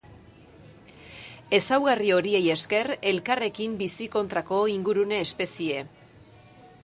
Ezaugarri horiei esker elkarrekin bizi kontrako ingurune espezie.